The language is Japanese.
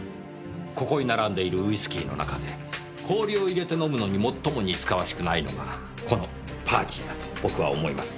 ここに並んでいるウイスキーの中で氷を入れて飲むのに最も似つかわしくないのがこの「パーチー」だと僕は思います。